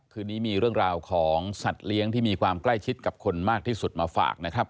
คืนนี้มีเรื่องราวของสัตว์เลี้ยงที่มีความใกล้ชิดกับคนมากที่สุดมาฝากนะครับ